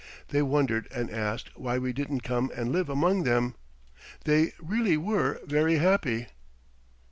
They wondered and asked why we didn't come and live among them. They really were very happy.